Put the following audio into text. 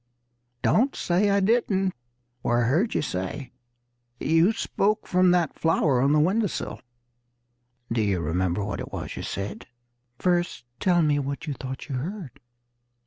Don't say I didn't, for I heard you say You spoke from that flower on the window sill Do you remember what it was you said?" "First tell me what it was you thought you heard."